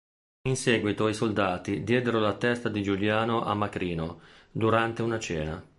In seguito i soldati diedero la testa di Giuliano a Macrino, durante una cena.